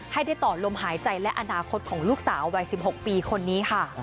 ให้ได้ต่อลมหายใจและอนาคตของลูกสาววัย๑๖ปีคนนี้ค่ะ